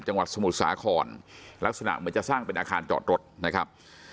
จังหวัดสมุทรสาครลักษณะเหมือนจะสร้างเป็นอาคารจอดรถนะครับ